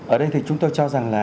ở đây thì chúng tôi cho rằng là